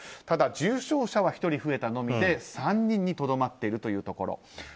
ただ、重症者は１人増えたのみで３人にとどまっているというところ。